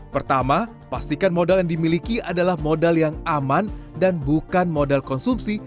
pertama pastikan modal yang dimiliki adalah modal yang aman dan bukan modal konsumsi